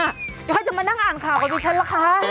เดี๋ยวเขาจะมานั่งอ่านข่าวกับดิฉันล่ะคะ